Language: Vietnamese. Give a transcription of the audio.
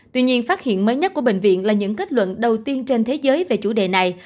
tuy nhiên phát hiện mới nhất của bệnh viện là những kết luận đầu tiên trên thế giới về chủ đề này